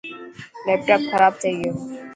ليپٽاپ کراب ٿي گيو.